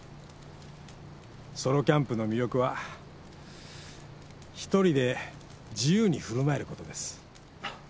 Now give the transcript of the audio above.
ソロキャンプの魅力は一人で自由に振る舞えることです。